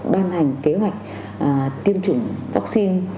đoàn hành kế hoạch tiêm chủng vaccine